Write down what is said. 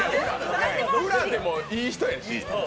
裏でもいい人やし。